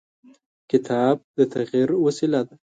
کتاب د تغیر وسیله ده.